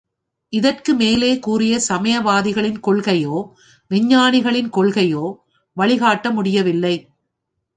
இதற்கு மேலே கூறிய சமயவாதிகளின் கொள்கையோ, விஞ்ஞானிகளின் கொள்கையோ வழிகாட்ட முடியவில்லை.